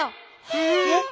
えっ！？